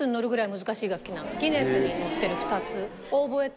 『ギネス』に載ってる２つ。